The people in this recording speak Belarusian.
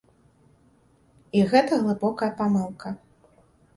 І гэта глыбокая памылка.